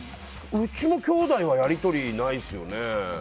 うちのきょうだいはやり取りないですよね。